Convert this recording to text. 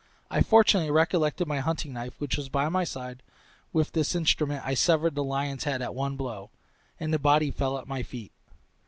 I fortunately recollected my hunting knife which was by my side; with this instrument I severed the lion's head at one blow, and the body fell at my feet!